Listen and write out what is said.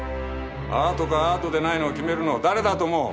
アートかアートでないのを決めるのは誰だと思う？